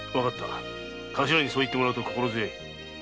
カシラにそう言ってもらうと心強い。